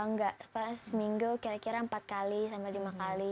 enggak pas seminggu kira kira empat kali sampai lima kali